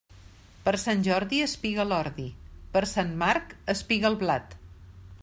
Per Sant Jordi espiga l'ordi; per Sant Marc, espiga el blat.